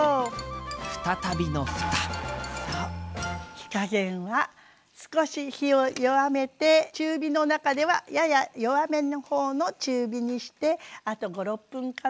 火加減は少し火を弱めて中火の中ではやや弱めの方の中火にしてあと５６分かな。